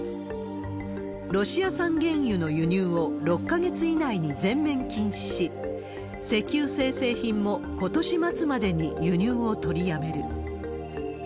ロシア産原油の輸入を６か月以内に全面禁止し、石油精製品もことし末までに輸入を取りやめる。